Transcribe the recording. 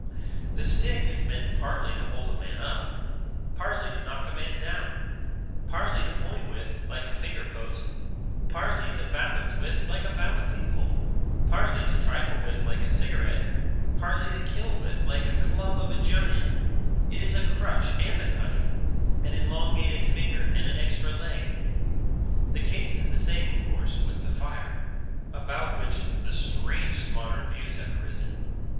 The stick is meant partly to hold a man up, partly to knock a man down; partly to point with like a finger post, partly to balance with like a balancing pole, partly to trifle with like a cigarette, partly to kill with like a club of a giant; it is a crutch and a cudgel; an elongated finger and an extra leg. The case is the same, of course, with the fire; about which the strangest modern views have arisen.